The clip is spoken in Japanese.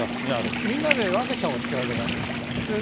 みんなで分けちゃおうというわけだから。